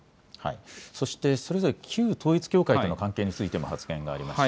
そしてそれぞれ旧統一教会との関係についても発言がありまし